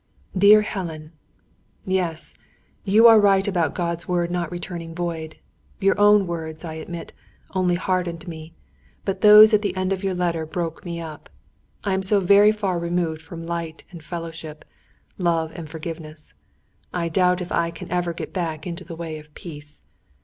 "DEAR HELEN, "Yes, you are right about God's Word not returning void. Your own words, I admit, only hardened me; but those at the end of your letter broke me up. I am so very far removed from light and fellowship, love and forgiveness. I doubt if I can ever get back into the way of peace.